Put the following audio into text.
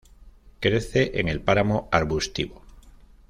Crece en el páramo arbustivo.